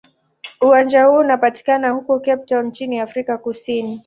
Uwanja huu unapatikana huko Cape Town nchini Afrika Kusini.